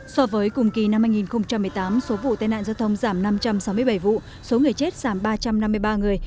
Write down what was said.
so với cùng kỳ năm hai nghìn một mươi tám số vụ tai nạn giao thông giảm năm trăm sáu mươi bảy vụ số người chết giảm ba trăm năm mươi ba người